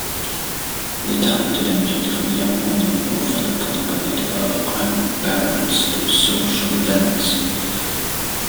The talented and beautiful young woman often accompanied her grandparents to social events.